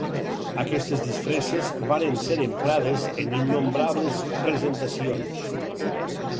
Aquestes disfresses varen ser emprades en innombrables presentacions.